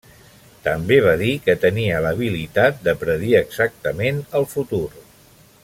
També va dir que tenia l'habilitat de predir exactament el futur.